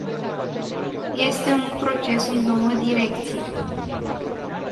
Este un proces în două direcții.